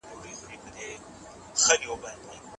اوس دې تڼاکو ته پر لاري دي د مالګي غرونه